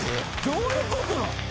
どういうことなん？